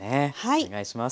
お願いします。